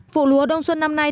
phụ lúa đông xuân năm nay